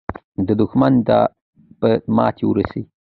دښمن ته به ماته ورسي.